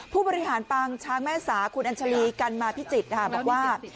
ผู้บริหารปางช้างแม่สาคุณอัญชาลีกันมาพิจิตรบอกว่า